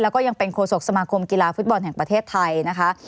แล้วก็ยังเป็นโฆษกสมาคมกีฬาฟุตบอลแห่งประเทศไทยนะคะ